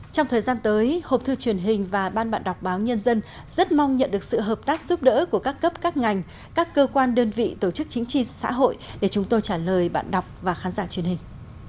trong thời gian tới hộp thư truyền hình và ban bạn đọc báo nhân dân rất mong nhận được sự hợp tác giúp đỡ của các cấp các ngành các cơ quan đơn vị tổ chức chính trị xã hội để chúng tôi trả lời bạn đọc và khán giả truyền hình